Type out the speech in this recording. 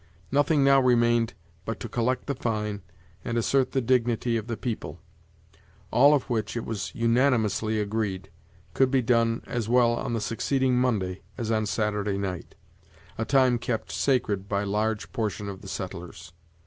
Nothing now remained but to collect the fine and assert the dignity of the people; all of which, it was unanimously agreed, could be done as well on the succeeding Monday as on Saturday night a time kept sacred by large portion of the settlers.